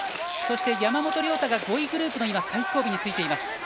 そして、山本涼太が５位グループの最後尾についています。